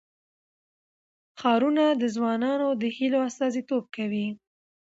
ښارونه د ځوانانو د هیلو استازیتوب کوي.